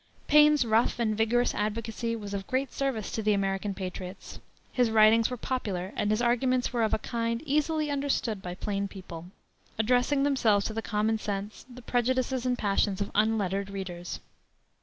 Paine's rough and vigorous advocacy was of great service to the American patriots. His writings were popular and his arguments were of a kind easily understood by plain people, addressing themselves to the common sense, the prejudices and passions of unlettered readers.